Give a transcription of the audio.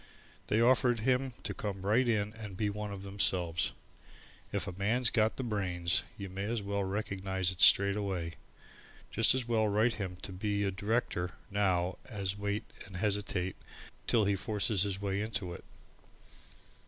They offered him to come right in and be one of themselves. If a man's got the brains, you may as well recognize it straight away. Just as well write him to be a director now as wait and hesitate till he forces his way into it.